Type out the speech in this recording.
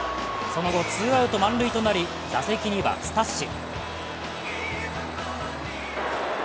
その後、ツーアウト満塁となり打席にはスタッシ。